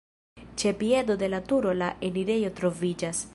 Ĉe piedo de la turo la enirejo troviĝas.